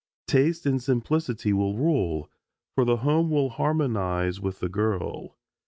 Taste and simplicity will rule, for the home will harmonize with the girl.